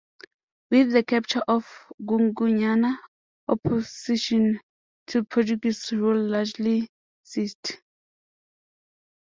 With the capture of Gungunyana opposition to Portuguese rule largely ceased.